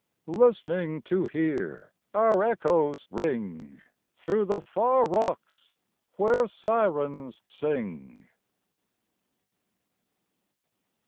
Listening to hear our echoes ring Through the far rocks where Sirens sing.